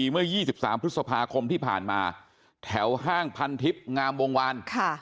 เมื่อยี่สิบสามพฤษภาคมที่ผ่านมาแถวห้างพันทิศงามวงวานค่ะ